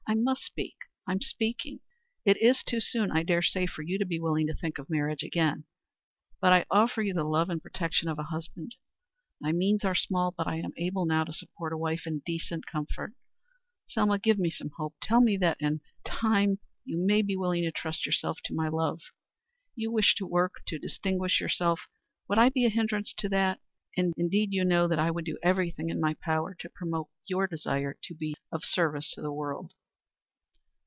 I must speak I am speaking. It is too soon, I dare say, for you to be willing to think of marriage again but I offer you the love and protection of a husband. My means are small, but I am able now to support a wife in decent comfort. Selma, give me some hope. Tell me, that in time you may be willing to trust yourself to my love. You wish to work to distinguish yourself. Would I be a hindrance to that? Indeed, you must know that I would do every thing in my power to promote your desire to be of service to the world."